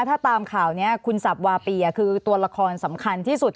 ถ้าตามข่าวนี้คุณสับวาปีคือตัวละครสำคัญที่สุด